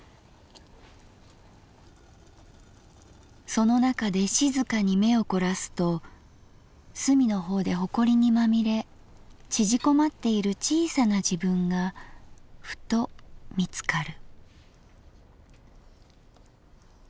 その中で静かに眼をこらすと隅の方でホコリにまみれ縮こまっている小さな自分がフト見つかる」。